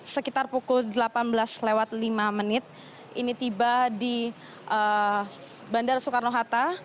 sekitar pukul delapan belas lewat lima menit ini tiba di bandara soekarno hatta